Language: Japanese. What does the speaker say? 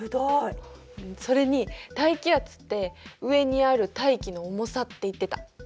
それに大気圧って「上にある大気の重さ」って言ってた。